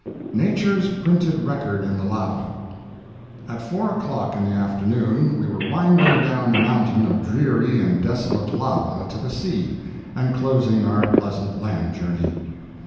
NATURE'S PRINTED RECORD IN THE LAVA At four o'clock in the afternoon we were winding down a mountain of dreary and desolate lava to the sea, and closing our pleasant land journey.